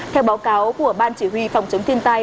theo báo cáo của ban chỉ huy phòng chống thiên tai